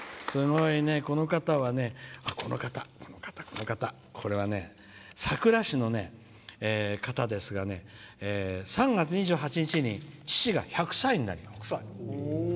この方はね、この方これはね、佐倉市の方ですが３月２８日、父が父が１００歳になります。